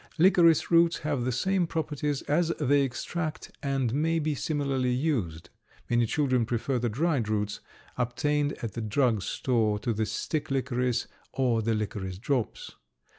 Licorice roots have the same properties as the extract and may be similarly used. Many children prefer the dried roots obtained at the drug store to the stick licorice or the licorice drops.